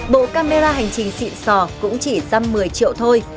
bộ camera hành trình xịn sò cũng chỉ răm một mươi triệu thôi